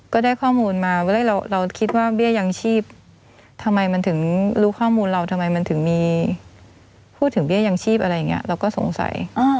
ก็ได้ข้อมูลมาว่าเราคิดว่าเบี้ยยังชีพทำไมมันถึงรู้ข้อมูลเราทำไมมันถึงมีพูดถึงเบี้ยยังชีพอะไรอย่างนี้เราก็สงสัย